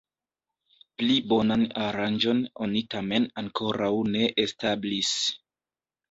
Pli bonan aranĝon oni tamen ankoraŭ ne establis.